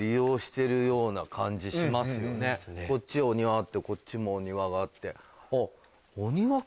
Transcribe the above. こっちお庭あってこっちもお庭があってあっ。